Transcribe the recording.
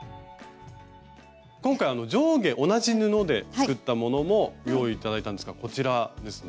今回上下同じ布で作ったものも用意頂いたんですがこちらですね。